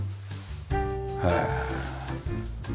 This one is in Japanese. へえ。